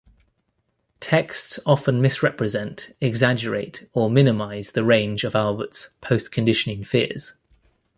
Texts often misrepresent, exaggerate, or minimize the range of Albert's post-conditioning fears.